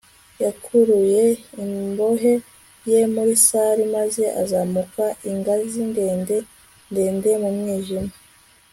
yakuruye imbohe ye muri salle maze azamuka ingazi ndende ndende mu mwijima